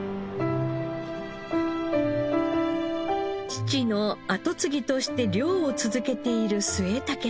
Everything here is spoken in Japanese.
父の後継ぎとして漁を続けている末竹さん。